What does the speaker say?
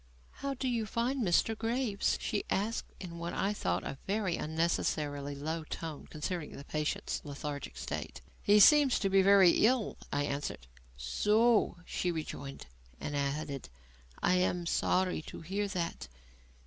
"How do you find Mr. Graves?" she asked in what I thought a very unnecessarily low tone, considering the patient's lethargic state. "He seems to be very ill," I answered. "So!" she rejoined, and added: "I am sorry to hear that.